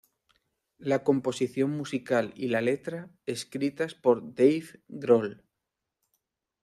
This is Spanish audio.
La composición musical y la letra escritas por Dave Grohl.